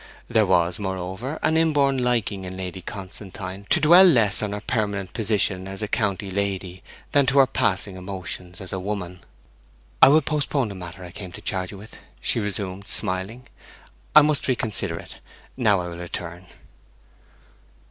There was, moreover, an inborn liking in Lady Constantine to dwell less on her permanent position as a county lady than on her passing emotions as a woman. 'I will postpone the matter I came to charge you with,' she resumed, smiling. 'I must reconsider it. Now I will return.'